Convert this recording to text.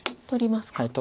取りますか。